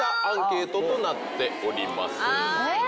え？